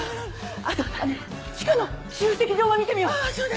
あと地下の集積場も見てみよう。